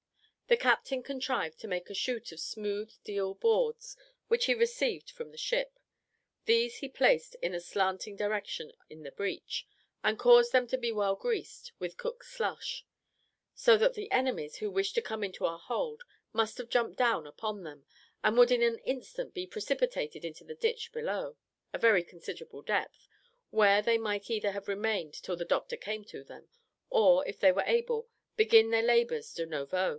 The captain contrived to make a shoot of smooth deal boards, which he received from the ship: these he placed in a slanting direction in the breach, and caused them to be well greased with cook's slush; so that the enemies who wished to come into our hold, must have jumped down upon them, and would in an instant be precipitated into the ditch below, a very considerable depth, where they might either have remained till the doctor came to them, or, if they were able, begin their labours de novo.